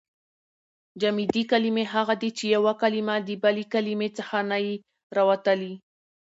جامدي کلیمې هغه دي، چي یوه کلیمه د بلي کلیمې څخه نه يي راوتلي.